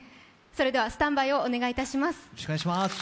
それでは、スタンバイをお願いします。